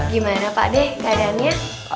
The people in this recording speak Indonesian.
gimana pakde keadaannya